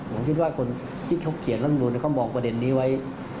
ผมคิดว่าคนที่ชกเขียนรัฐมนุนเขามองประเด็นนี้ไว้